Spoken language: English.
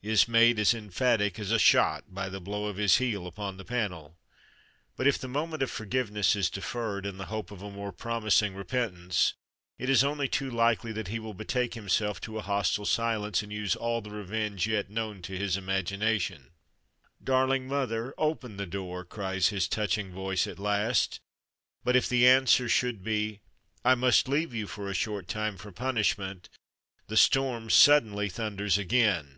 is made as emphatic as a shot by the blow of his heel upon the panel. But if the moment of forgiveness is deferred, in the hope of a more promising repentance, it is only too likely that he will betake himself to a hostile silence and use all the revenge yet known to his imagination. "Darling mother, open the door!" cries his touching voice at last; but if the answer should be "I must leave you for a short time, for punishment," the storm suddenly thunders again.